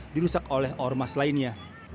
dirusak oleh ormas lainnya